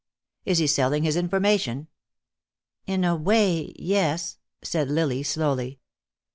"Is he selling his information?" "In a way, yes," said Lily, slowly.